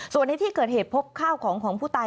ส่วนในที่เกิดเหตุพบข้าวของของผู้ตาย